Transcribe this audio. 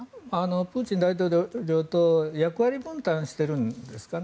プーチン大統領と役割分担してるんですかね。